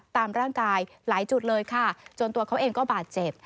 ตามร่างกายหลายจุดเลยค่ะจนตัวเขาเองก็บาดเจ็บ